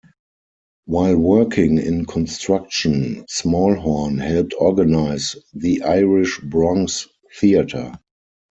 While working in construction, Smallhorne helped organize the Irish Bronx Theater.